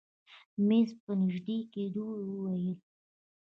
مېز ته په نژدې کېدو يې وويل.